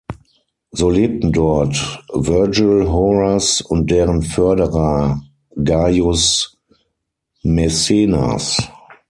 So lebten dort Vergil, Horaz und deren Förderer Gaius Maecenas.